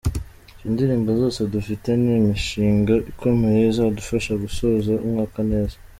Izo ndirimbo zose dufite ni imishinga ikomeye izadufasha gusoza umwaka neza”.